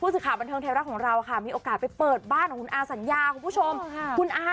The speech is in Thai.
ผู้ศึกขาบันเทิงเทวราคมของเราค่ะออกกาศไปเปิดบ้านของคุณอ่าศัญญาของผู้ชมคุณอ่า